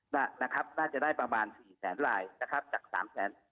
นะครับน่าจะได้ประมาณสี่แสนลายนะครับจากสามแสน